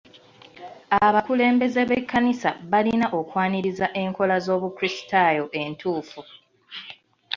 Abakulembeze b'ekkanisa balina okwaniriza enkola z'obukrisitaayo entuufu.